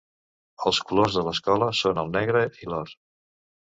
Els colors de l'escola són el negre i l'or.